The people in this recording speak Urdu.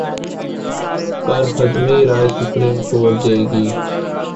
پر حتمی رائے سپریم کورٹ دے گی۔